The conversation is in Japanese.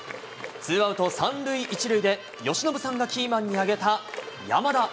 ツーアウト３塁１塁で、由伸さんがキーマンに挙げた山田。